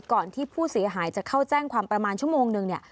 ก่อนที่ผู้เสียหายจะเข้าแจ้งความประมาณชั่วโมงนึงเนี่ย